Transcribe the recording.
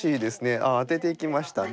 ああアテていきましたね。